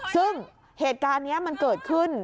ซึ่งเหตุการณ์นี้มันเกิดขึ้น